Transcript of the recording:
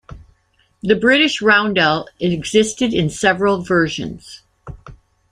The British roundel existed in several versions.